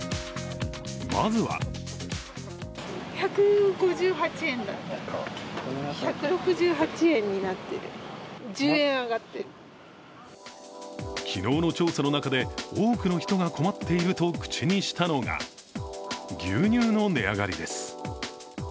まずは昨日の調査の中で多くの人が困っていると口にしたのが牛乳の値上がりです。